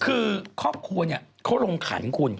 คือครอบครัวเขาลงขันคุณ